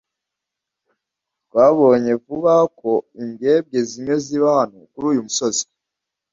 Twabonye vuba aha ko imbwebwe zimwe ziba hano kuri uyu musozi.